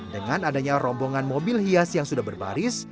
dengan adanya rombongan mobil hias yang sudah berbaris